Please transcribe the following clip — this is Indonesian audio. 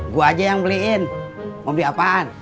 gue aja yang beliin mau beli apaan